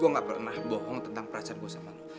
gue gak pernah bohong tentang perasaan gue sama lu